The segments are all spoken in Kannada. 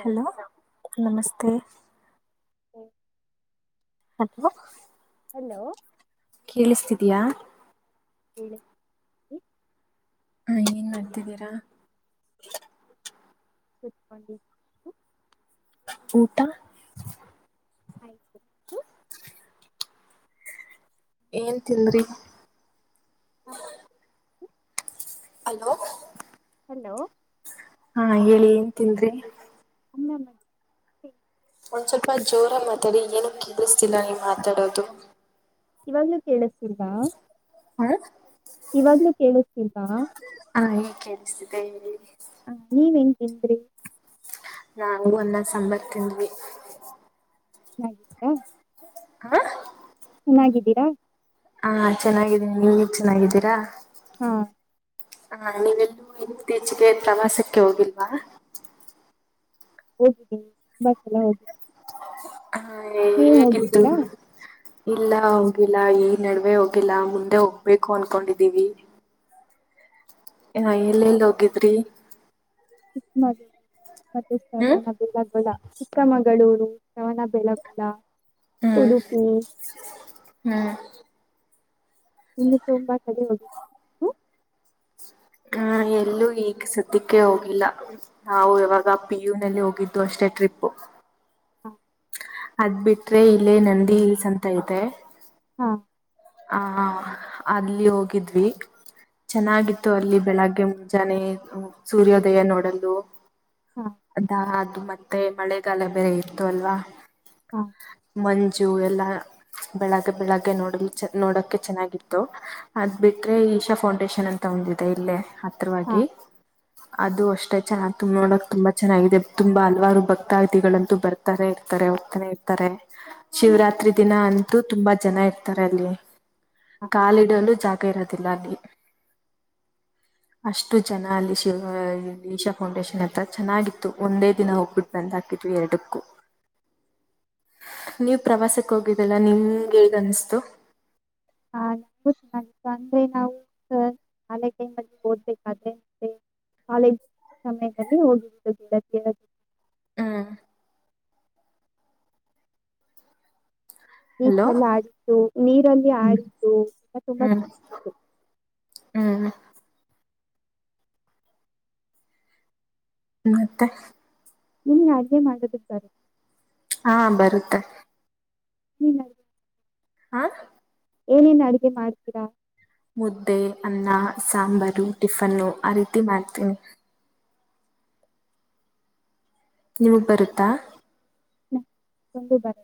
ಹಲೋ ನಮಸ್ತೆ ಮತ್ತು ಹ್ಮ ಹತ್ತುವಾ ಹಲೋ ಕೇಳಿಸ್ತಿದಯಾ ಹ್ಮ್ಮ ಹ ಏನ್ ಮಾಡ್ತಿದ್ದೀರಾ ತಿಟ್ಕಿ ಊಟ ಆಯ್ತು ಏನ್ ತಿಲ್್ರಿ ಹ ಹಲೋ ಹಲೋ ಹಾ ಹೇಳಿ ಏನ್ ತಿನ್ಿ ಅಂದಾಮ ಒಂದ್ ಸ್ವಲ್ಪ ಜೋರ ಮಾತಾಡಿ ಏನು ಕಿಸ್ತಿಲ್ಲ ನೀ ಮಾತಾಡೋದು. ಇವಾಗ್ಲೂ ಕೇಳಿಸತಿಲ್ವಾ ಹಾ ಇವಾಗ್ಲೂ ಕೇಳಿಸ್ತಲ್ವಾಾ ಎ ಹ ನೀವ ಹೆನ್ ಕಸ್ರಿ ನಾು ಒಲ್ಲ ಸಂಂಬರ್ತಿಂದ್ವಿ ಹ್ಮ ಹಾ ಚೆನ್ನಾಗಿದ್ದೀರಾ. ಹಾ ಚೆನ್ನಾಗಿದ್ದೀನಿ ನೀವಗ್ ಚೆನ್ನಾಗಿದ್ದೀರಾ ಹಾ ಹಾ ನೀವೆಲ್ಲೂ ಇತ್ತೀಚಿಗೆ ಪ್ರವಾಸಕ್ಕೆ ಹೋಗಿಲ್ವಾ ಹೋಗಿದ್ದಿ ತುಂಬಾ ಚಲ ಹೋಗಿ ಹಾ ನೀವ ಹೋಗಿದ್ದೀರಾ ಹೇಗಿತ್ತು ಇಲ್ಲ ಹೋಗಿಲ್ಲ ಈ ನಡುವೆ ಹೋಗಿಲ್ಲ ಮುಂದೆ ಹೋಗ್ಬೇಕು ಅನ್ಕೊಂಡಿದ್ದೀವಿ. ಹ ಎಲ್ಲ ಎಲ್ಲಿ ಹೋಗಿದ್ರಿ ಇದು ಮತ್ತ ಹ್ಮ್ ಬೆಿಲ್ಲಗೋಳ ಚಿಕ್ಕಮಗಳೂರು ಶವಣ ಬೆಳ ಬಡ ಹ್ಮ್ ಹ್ಮ್ ಇನ್ನು ತುಂಬಾ ಕಡೆ ಹೋಗ ಹ ಹ ಎಲ್ಲೂ ಈಗ ಸ್ದಕ್ಕೆ ಹೋಗಿಲ್ಲ ನಾವು ಯವಾಗ ಪಿಯು ನಲ್ಲಿ ಹೋಗಿದ್ದು ಅಷ್ಟೇ ಟ್ರಿಪ್ಪು ಹಾ ಅದ್ ಬಿಟ್ರೆ ಇಲ್ಲೇ ನಂದಿ ಹಿಲ್ಸ್ ಅಂತ ಇತೆ ಹಾ ಆಹ ಅಲ್ಲಿ ಹೋಗಿದ್ವಿ ಚೆನ್ನಾಗಿತ್ತು ಅಲ್ಲಿ ಬೆಳಗ್ಗೆ ಮುಂಜಾನೆ ಸೂರ್ಯೋದಯ ನೋಡಲು ಹಾಂ ಅದಾ ದು ಮತ್ತೆ ಮಳೆಗಾಲ ಬೇರೆ ಇತ್ತು ಅಲ್ವಾ ಹಾ ಮಂಜು ಎಲ್ಲಾ ಬೆಳಗ್ಗೆ ಬೆಳಗ್ಗೆ ನೋಡಲಿ ನೋಡಕ್ಕೆ ಚೆನ್ನಾಗಿತ್ತು ಅದ್ ಬಿಟ್ರೆ ಈಶಾ ಫೌಂಡೇಶನ್ ಅಂತ ಒಂದಿದೆ ಇಲ್ಲೇ ಪವಾಗಿ ಹಾಂ ಅದು ಅಷ್ಟೇ ಚೆನ್ನಾಗಿುಂಬ ನೋಡಕ್ ತುಂಬಾ ಚೆನ್ನಾಗಿದೆ ತುಂಬಾ ಹಲ್ವಾರು ಭಕ್ತಾವಧಿಗಳಂತೂ ಬರ್ತಾನೆ ಇರ್ತಾರೆ ಹೋಗ್ತಾನೆ ಇರ್ತಾರೆ ಶಿವರಾತ್ರಿ ದಿನ ಅಂತೂ ತುಂಬಾ ಜನ ಇರ್ತಾರೆ ಬಲ್ಲಿೇ ಹಾಂ ಕಾಲಿಡಲು ಜಾಗ ಇರತ್ತೆ. ಅಲ್ಲಿ ಅಷ್ಟು ಜನ ಅಲ್ಲಿ ಶಿವ ಈಶಾ ಫೌಂಡೇಶನ್ ಅತ್ರ ಚೆನ್ನಾಗಿತ್ತು ಒಂದೇ ದಿನ ಹೋಗ್ಬಿಟ್ಟು ಬಂದ್ ಹಾಕಿದ್ವಿ ಎರಡಕ್ಕೂ ನೀವು ಪ್ರವಾಸಕ್ಕೆ ಹೋಗಿದ್ದಲ್ಲ ನಿಮ್ಗೆ ಹೇಗನ್ಿಸತು ಹ ನ ಗ ನಂತಂತ ಅಂದ್ರೆ ನಾವು ಶಾಲೆ ಕೈ ಮಲ್ಲಿ ಓದ್ಬೇಕಾದ್ರೆ ಅೆ ಕಾಲೇಜ್ ಸಮಯದಲ್ಲಿ ಹೋಗಿರು ದ ಹ್ಮ ಬೀಚ ಹಲೋ ಎಲ್ಲಿ ಆಡು ನೀರಲ್ಲಿ ಹ್ಮ್ ಆಡಿದ್ದು ತಂಬ ತುಂಬಾ ಚೆನ್ನತ್ತು ಹ್ಮ್ ಮ ಮತ್ತೆ ನೀಲ್ಲಿ ಆಾಜ್ಞೆ ಮಾಡದಿದ್ದಾರೆ ಹಾ ಬರುತ್ತೆ ಹ್ಮ ಹಾ ಏನೇನ್ ಅಡುಗೆ ಮಾಡ್ತೀರಾ ಮುದ್ದೆ ಅನ್ನ ಸಾಂಬಾರು ಟಿಫನ್ನು ಆ ರೀತಿ ಮಾಡ್ತೀನಿ ನಿಮಗ್ ಬರುತ್ತಾ ಹ ಒಂದು ಬರ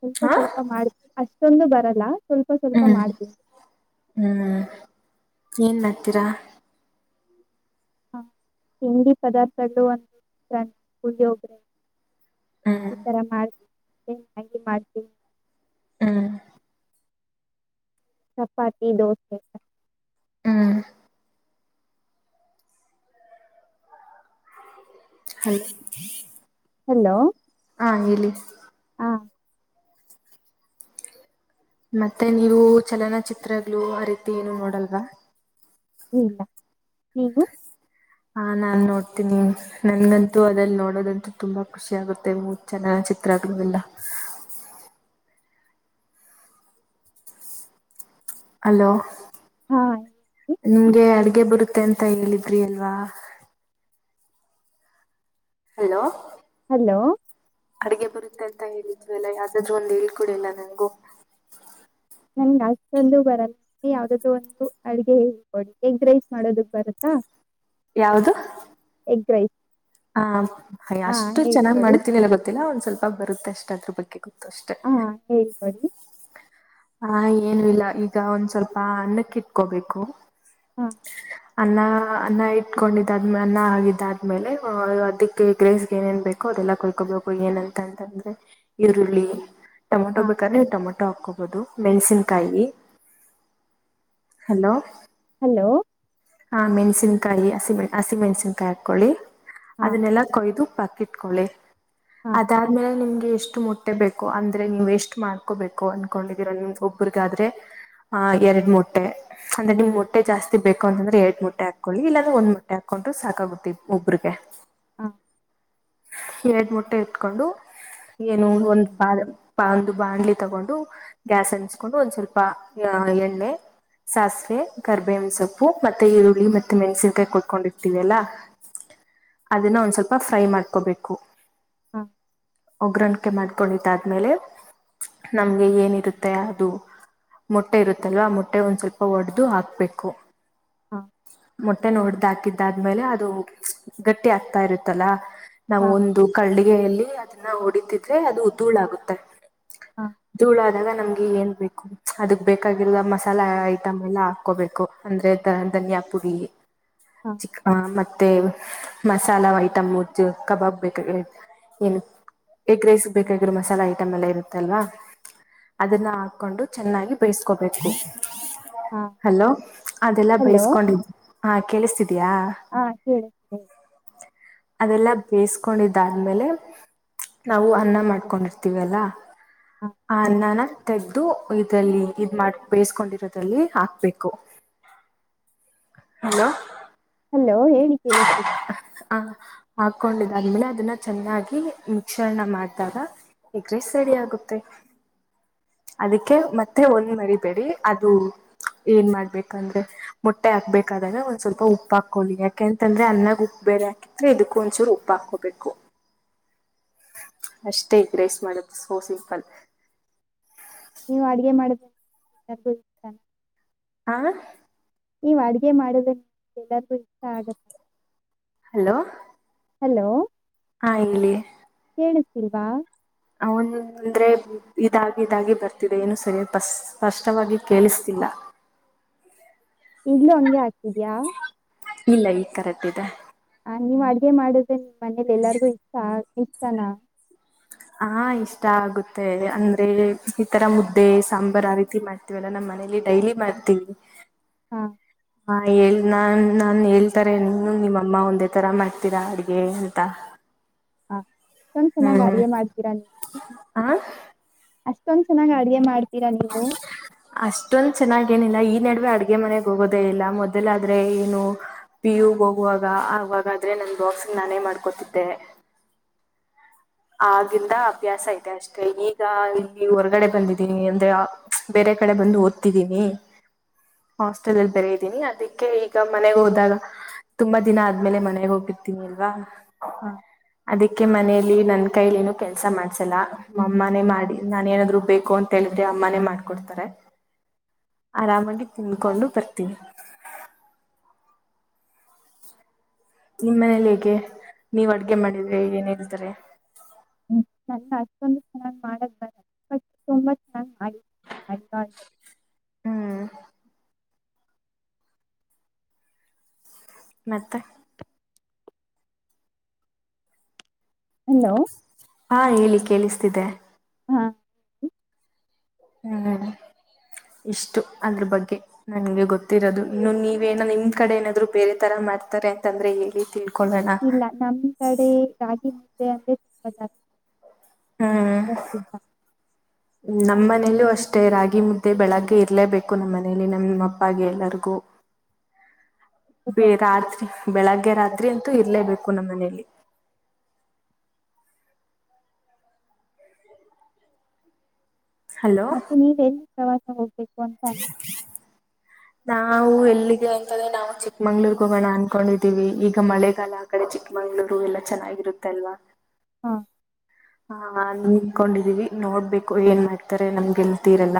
ಸ್ವಲ್ಪ ಹಾ ಸ್ವಲ್ಪ ಮಾಡ ಅಷ್ಟೊಂದು ಬರ ಲ್ಲಾ ಹ್ಮ್ ಹ್ಮ್ ಏನ್ ಮಾಡ್ತೀರಾ ಹಾ ತಿಂಡಿ ಪದಾರ್ಥಗಳು [unintelligible] ಹ್ಮ್ ಈತರ ಮಾಡ ಮತ್ತೆ ಮ್ಯಾಗಿಮಾಡ್ತೀವಿ ಹಾ ಚಪಾತಿ ದೋಸ ಹ್ಮ್ ಹಲೋ ಹಲೋ ಹಾ ಹೇಳಿ ಹಾ ಮತ್ತೆ ನೀವು ಚಲನಚಿತ್ರಗಳು ಆ ರೀತಿ ಏನು ನೋಡಲ್ವಾ ಇಲ್ಲ ನೀವು ಹಾ ನಾನ್ ನೋಡ್ತೀನಿ ನನ್ನಂತೂ ಅದಲ್ಲಿ ನೋಡೋದಂತೂ ತುಂಬಾ ಖುಷಿ ಆಗುತ್ತೆ ಚಲನಚಿತ್ರಗಳು ಎಲ್ಲ ಹಲೋ ಹಾ ನಿಮ್ಗೆ ಅಡ್ಗೆ ಅಡ್ಗೆ ಬರುತ್ತೆ ಅಂತ ಹೇಳಿದ್ರಿ ಅಲ್ವಾ ಹಲೋ ಹಲೋ ಅಡಿಗೆ ಬರುತ್ತೆ ಅಂತ ಹೇಳಿದ್ವಿಲ್ಲ ಯಾವ್ದಾದ್ರು ಒಂದು ಹೇಳ್ಕೊಡಿ ನಂಗೂ ನನ್ಗೆ ಅಷ್ಟೊಂದು ಬರಲ್ಲ ಯಾವ್ದ್ದೂ ಒಂದು ಅಡುಗೆ ಹೇಳ್ಕೊಡಿ ಎಗ್ ರೈಸ್ ಮಾಡೋದಕ್ ಬರತ್ತಾ ಯಾವುದು ಎಗ್ರೈಸ್ ಹಾ ಅಷ್ಟು ಚೆನ್ನಾಗ್ ಹೇಳ್ಕೊಡಿ ಮಾಡ್ತೀವಿ ಎಲ್ಲ ಗೊತ್ತಿಲ್ಲ ಒಂದ್ ಸ್ವಲ್ಪ ಬರುತ್ತ ಅಷ್ಟ ಅದ್ರ ಬಗ್ಗೆ ಗೊತ್ತು ಅಷ್ಟೆ ಹಾ ಹೇಳ್ಕೊಡಿ ಹಾ ಏನು ಇಲ್ಲ ಈಗ ಒಂದ್ ಸ್ವಲ್ಪ ಅನ್ನಕ್ಕೆ ಇಟ್ಕೋಬೇಕು ಹಾ ಅನ್ನ ಅನ್ನ ಇಟ್ಕೊಂಡಿದ್ದಾದ್ಮೇಲೆ ಅನ್ನ ಆಗಿದ್ದಾದ್ಮೇಲೆ ಅದಕ್ಕೆ ಎಗ್ಗ್ರ್ಸ್ ಏನೇನ್ ಬೇಕು ಅದೆಲ್ಲ ಕೊಯ್ಕೋಬೇಕು ಏನಂತಂತಂದ್ರೆ ಈರುಳ್ಳಿ ಟಮೊಟ ಹಾಂ ಬೇಕು ಅಂದ್ರೆ ಟೊಮಟೊ ಹಾಬೇಕು ಮೆಣಸಿನಕಾಯಿ [inaudible] ಹಲೋ ಹಲೋ ಹಾ ಮೆಣಸಿನಕಾಯಿ ಕಾಯಿ ಹಸಿಮೆಣಸಿ ಹಸಿ ಮೆಣಸನ್ಕಾಯಿ ಹಾಕೊಳ್ಳಿ ಹಾಂ ಅದನ್ನೆಲ್ಲಾ ಕೊಯ್ದು ಪಕ್ಕಕ್ಕೆ ಇಟ್ಕೊಳಿ ಹಾಂ ಅದಾದ್ಮೇಲೆ ನಿಮ್ಗೆ ಎಷ್ಟು ಮೊಟ್ಟ ಮೊಟ್ಟೆ ಬೇಕು ಅಂದ್ರೆ ನೀವು ಎಷ್ಟು ಮಾಡ್ಕೋಬೇಕು ಅನ್ ಹಾಕೊಂಡಿದ್ದೀರ ನಿಮ್ ಒಬ್ರಗಾದ್ರೆ ಆ ಎರಡ್ ಮೊಟ್ಟೆ ಅಂದ್ರೆ ನಿಮ್ ಮೊಟ್ಟೆ ಜಾಸ್ತಿ ಬೇಕು ಅಂತಂದ್ರೆ ಎರಡು ಮೊಟ್ಟೆ ಹಾಕೊಳ್ಳಿ ಇಲ್ಲಾರೆ ಒಂದ್ ಮೊಟ್ಟೆ ಹಾಕೊಂಡು ಸಾಕಾಗುತ್ತೆ ಒಬ್ರಿಗೆ ಹಾ ಎರಡ್ ಮೊಟ್ಟೆ ಇಟ್ಕೊಂಡು ಏನು ಒಂದ್ ಒಂದು ಬಾಂಡ್ಲಿ ತಗೊಂಡು ಗ್ಯಾಸ್ ಹಂಚ್ಕೊಂಡು ಒಂದ್ ಸ್ವಲ್ಪ ಎಣ್ಣೆ ಸಾಸಿವೆ ಕರಿಬೇವಿನಸೋಪ್ಪು ಮತ್ತೆ ಈರುಳ್ಳಿ ಮತ್ತೆ ಮೆಣಸಿನಕಾಯಿ ಕುಯ್ಕೊಂದಿರ್ತೀವಲ್ಲ ಅದನ್ನ ಒಂದ್ ಸ್ವಲ್ಪ ಫ್ರೈ ಮಾಡ್ಕೋಬೇಕು ಹಾ ಉಗ್ರಣಿಕೆ ಮಾಡ್ಕೊಂಡಿದ್ದ ಆದ್ಮೇಲೆ ನಮ ಏನಿರುತ್ತೆ ಅದು ಮೊಟ್ಟೆ ಇರುತ್ತಲ್ವಾ ಆ ಮೊಟ್ಟೆ ಒಂದ್ ಸ್ವಲ್ಪ ಒಡೆದು ಹಾಕ್ಬೇಕು ಹಾಂ ಮೊಟ್ಟೆ ನೋಡ್ದಾ ಹಾದ್ಮೇಲೆ ಅದು ಗಟ್ಟಿ ಆಗ್ತಾ ಇರುತ್ತಲ್ಲ ನಾವು ಹಾಂ ಒಂದು ಕಳ್ಳಿ ಗೆಯಲ್ಲಿ ಅದನ್ನ ಹೊಡಿತಿದ್ರೆ ಅದು ಉದ್ದೂಳ ಆಾಗುತ್ತೆ ಹಾ ಧೂಳು ಆದಾಗ ನಮ್ಗೆ ಏನ್ ಬೇಕು ಅದಕ್ ಬೇಕಾಗಿರೋ ಮಸಾಲಾ ಐಟಮ್ ಎಲ್ಲಾ ಹಾಕೋಬೇಕು ಅಂದ್ರೆ ದ ಧನಿಯಾ ಪುಡಿ ಹಾಂ ಚಿ ಮತ್ತೆ ಮಸಾಲಾ ಐಟಮ್ ಉದ್ದು ಕಬಾಬ್ ಬೇಕಾಗಿ ಏನ್ ಎಗ್ ರೈಸ್ ಬೇಕಾಗಿರೋ ಮಸಾಲಾ ಐಟಮ್ ಎಲ್ಲ ಇರುತ್ತಲ್ವಾ ಅದನ್ನ ಹಾಕೊಂಡು ಚೆನ್ನಾಗಿ ಬೇಯಸ್ಕೋಬೇಕು ಹಾಂ ಹಲೋ ಅದೆಲ್ಲ ಬಯಸ್ಕೊಂಡಿದ್ ಹ ಕೇಳಿಸ್ತಿದ ಹಾ ಕೇಳಿ ಹೇಳಿಿ ಅದೆಲ್ಲ ಬೇಯಿಸಕೊಂಡಿದ್ದಾದ್ಮೇಲೆ ನಾವು ಅನ್ನ ಮಾಡ್ಕೊಂಡಿರ್ತೀವಿ ಅಲ್ಲ ಹಾ ಹ ನನ ತೆೆಗೆಗ್ದದು ಇದಲ್ಲಿ ಇದ ಮಾಡ ಬೇಯಿಸಕೊಂಡಿರೋಲ್ಲಿ ಹಾಕ್ಬೇಕು ಹಲೋ ಹಲೋ ಹೇಳಿ ಕೇಳತೀರಿ ಹ ಹಾಕೊಂಡಿದಾದ್ಮೇಲೆ ಅದನ್ನ ಚೆನ್ನಾಗಿ ಮಿಕ್ಸರ್ನ ಮಾಡಿದಾಗ ಎಗ್ರೆಸ್ ರೆಡಿ ಆಗುತ್ತೆ ಅದಕ್ಕೆ ಮತ್ತೆ ಒಂದ್ ಮರಿಬೇಡಿ ಅದು ಏನ್ ಮಾಡ್ಬೇಕಂದ್ರೆ ಮೊಟ್ಟೆ ಹಾಕ್ಬೇಕಾದಾದ್ರೆ ಒಂದ್ ಸ್ವಲ್ಪ ಉಪ್ಪ ಹಾಕೊಳ್ಳಿಾ. ಯಾಕೆಂತಂದ್ರೆ ಅನ್ನಾಗ ಉಪ್ಪು ಬೇರೆ ಹಾಕಿದ್ರೆ ಇದಕ್ಕೂ ಒಂಚೂರು ಉಪ್ಪು ಹಾಕೋಬೇಕು ಅಷ್ಟೇ ಈ ರೈಸ್ ಮಾಡದು ಸೋ ಸಿಂಪಲ್ ನೀವು ಅಡ್ಗೆ ಮಾಡಬೇಕ ಹಾ ಈ ಅಡ್ಗೆ ಮಾಡುದ್ರೆ ನಮಗೆ ಎಲ್ಲಾರೂ ಇಷ್ಟ ಆಗುತ್ತ ಹಲೋ ಹಲೋ ಹಾ ಇಲ್ಲಿ ಿಸ್ತಿಲ್ವಾ ಅವಂದ್ರೆ ಇದಾಗಿ ಇದಾಗಿ ಬರ್ತಿದೆ ಏನು ಸರಿಯ ಸ್ಪಷ್ಟವಾಗಿ ಕೇಳಿಸ್ತಿಲ್ಲ ಈಗ್ಲೂ ಒನ್್ಗೆ ಹತಿದ್ಯಾಾ ಇಲ್ಲ ಈಗ ಕರೆಕ್ಟ್ದೆ ಹಾ ನೀವ್ ಅಡ್ಗೆ ಮಾಡುದೆ ನೀ ಮನೇಲಿ ಎಲ್ಲಾರ್ಗು ಇಷ್ಟ ಇತನಾ ಹಾ ಇಷ್ಟ ಆಗುತ್ತೆ ಅಂದ್ರೆ ಈತರ ಮುದ್ದೆ ಸಾಂಬಾರ್ ಆ ರೀತಿ ಮಾಡ್ತೀವಲ್ಲ ನಮ್ಮ್ ಮನೇಲಿ ಡೈಲಿ ಮಾಡ್ತೀವಿ ಹಾ ಹಾ ಹಳ್ ನಾನ್ ನಾನ್ ಹೇಳ್ತಾರೆ ನಿಮ್ಮಮ್ಮ ಒಂದೇ ತರ ಮಾಡ್ತೀರಾ ಅಡ್ಗೆ ಅಂತ ಹಾ ಅಷ್ಟೊಂದ ಚೆನ್ನಾಗಿ್ ಹ್ಮ್ ಅಡಗೆ ಮಾಡ್ತೀರಾ ನೀ ಆ ಅಷ್ಟ ೊಂದ್ ಚನ್ನಾಗಿ ಅಿಗೆ ಮಾಡ್ ಅಷ್ಟೊಂದ ಚೆನ್ನಾಗಿ ಏನಿಲ್ಲ ಈ ನಡುವೆ ಅಡ್ಗೆ ಮನೆಗ್ ಹೋಗೋದೇ ಇಲ್ಲ ಮೊದಲ ಆದ್ರೆ ಏನು ಪಿ ಯುಗ್ ಹೋಗುವಾಗ ಆವಾಗಾದ್ರೆ ನನ್ ಬಾಕ್ಸಿಂಗ್ ನಾನೇ ಮಾಡ್ಕೊತಿದ್ದೆ ಆಗಂದ ಅಭ್ಯಾಸ ಐತೆ ಅಷ್ಟೆ ಈಗ ಇಲ್ಲಿ ಹೊರ್ಗಡೆ ಬಂದಿದೀನಿ ಅಂದ್ರೆ ಬೇರೆ ಕಡೆ ಬಂದು ಓದ್ತಿದೀನಿ ಹಾಸ್ಟೆಲ್ ಅಲ್ಲಿ ಬರೆಿದ್ದೀನಿ ಅದಕ್ಕೆ ಈಗ ಮನೆಗೆ ಹೋದಾಗ ತುಂಬಾ ದಿನ ಆದ್ಮೇಲೆ ಮನೆಗೆ ಹೋಗ್ಿರ್ತೀನಿ ಅಲ್ವಾ ಹಾ ಅದ ಕ ಮನೆಯಲ್ಲಿ ನನ್ ಕೈಲಿ ನು ಕೆಲ್ಸ ಮಾಡ್ಸಲ್ಲ ಅಮ್ಮನೇ ಮಾಡಿ ನಾನ ಏನಾದ್ರು ಬೇಕು ಅಂತ ಹೇಳಿದ್ರೆ ಅಮ್ಮಾನೇ ಮಾಡ್ಕೊಡ್ತಾರೆ ಆರಾಮಾಗಿ ತಿಿಂದಕೊಂಡು ಬರ್ತೀನಿ ನಿಮ್ ಮನೇಲಿ ಹೇಗೆ ನೀವ ಅಡ್ಗೆ ಮಾಡಿದ್ರೆ ಏನ ಇರ್ತಾರೆ ಹ್ಮ ನನ್ನ ಹತ್ತೊಂದು ಚ ಮಾಡ ತೊಂಬತ್ತುಐಐ ಹ್ಮ್ ಮತ್ತೆ ಹಲೋ ಹಾ ಹೇಳಿ ಕೇಳಿಸ್ತಿದೆೆ ಹಾ ಹ್ಮ್ ಇಷ್ಟು ಅದ್ರ ಬಗ್ಗೆ ನಂಗೆ ಗೊತ್ತಿರೋದು ಇನ್ನು ನೀವೇನ ನಿಮ್ ಕಡೆ ಏನಾದ್ರು ಬೇರೆ ತರ ಮಾಡ್ತಾರೆ ಅಂತಂದ್ರೆ ಹೇಳಿತಿ ಇಲ್ಲ ನಮ್ ಕಡೆ ರಾಗಿ ಅ ಸರಿ ಹ ನಮ್ಮ್ನೇಲೂ ಅಷ್ಟೇ ರಾಗಿ ಮುದ್ದೆ ಬೆಳಗ್ಗೆ ಇರ್ಲೇಬೇಕು ನಮ್ಮ ಮನೇಲಿ ನಮ್ಮ ಅಪ್ಪಾಗ ಎಲ್ಲರಿಗು ಬ ಪ್ರಸಿದ್ಧರು ರಾತ್ರಿ ಬೆಳಗ್ಗೆ ರಾತ್ರಿ ಅಂತೂ ಇರ್ಲೇಬೇಕು ಕುನಮನೆಯಲ್ಲಿ ಮತ್ತೆ ನೀವೆಲ್ಲಿ ಪ್ರವಾಸ ಹೋಗಬೇಕು ಹ ನಾವು ಎಲ್ಲಿಗೆ ಅಂತಂದ್ರೆ ನಾವು ಚಿಕ್ಕಮಂಗ್ಳೂರ್ಗ್ ಹೋಗೋಣ ಅನ್ಕೊಂಡಿದ್ದೀವಿ ಈಗ ಮಳೆಗಾಲ ಆ ಕಡೆ ಚಿಕ್ಕಮಂಗ್ಳೂರು ಎಲ್ಲ ಚೆನ್ನಾಗಿರುತ್ತಲ್ವಾ ಹಾ ಹಾ ನಿಂಕೊಂಡಿದೀವಿ ನೋಡ್ಬೇಕು ಏನ್ ಮಾಡ್ತಾರೆ ನಮ್ಗೆಲ್ತೀರಲ್ಲ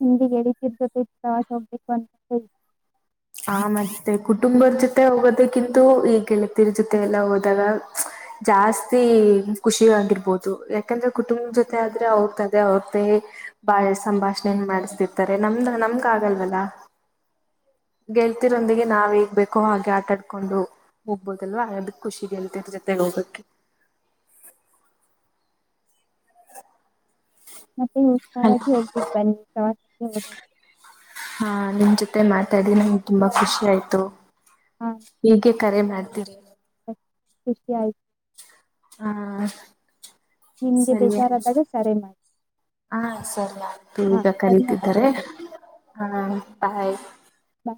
ಹಿಂದಿಿಗೆಡತಿದ್ದತೆ ತವಾಸ ಒಬೇಕಿಕ್ನ್ನ ಆ ಮತ್ತೆ ಕುಟುಂಬದ ಜೊತೆ ಹೋಗೋದಕ್ಕಿಂತ ಈ ಗೆಳತರ ಜೊತೆ ಎಲ್ಲ ಹೋದಾಗ ಜಾಸ್ತಿ ಖುಷಿ ಆಗಿರ್ಬೋದು ಯಾಕಂದ್ರೆ ಕುಟುಂಬ ಜೊತೆ ಆದ್ರೆ ಅವ್ರ ತದೇ ಅವ್ರ್ದೇ ಬಾಳ್ ಸಂಭಾಷಣೆನ್ ಮಾಡಿಸತಿರ್ತಾರೆ ನಮ್ದ ನಮಗ ಆಗಲ್ವಲ್ಲ ಗೆಲ್ತಿರೊಂದಿಗೆ ನಾವ್ ಹೇಗ್ಬೇಕೋ ಹಾಗೆ ಆಟಾಡ್ಕೊಂಡು ಹೋಗ್ಬೋದಲ್ವಾ ಅದ ಖುಷಿ ಗೆಲ್ತಿರ ಜೊತೆಗೆ ಹೋಗ್ಕ್ಕೆ ಮತ್ತೆ ಅಲ್ ಹುಷಾರಾಗಿ ಹೋಗ್ಬಿಟ್ಟ ಬನ್ನಿ ಹ ಹ ಹಾ ನಿಮ್ ಜೊತೆ ಮಾತಾಡಿ ನಂ್ಗೆ ತುಂಬಾ ಖುಷಿ ಆಯ್ತು ಹಾ ಈಗೆ ಕರೆ ಮಾಡ್ತೀರಿ ಖುಷಿಯಾಗಿ ಹಾ ನಿಮಗೆ ಸರಿಯ ಬೇಜಾರಾದಾಗ ಕರೆ ಮಾಡಿ ಹಾ ಸರಿ ಆಯತು ಹಾಂ ಈಗ ಕರಿತಿದ್ದಾರೆ ಧನ್ಯವಾದಗಳು ಹಾ ಬಾಯ್ ಬಾಯ್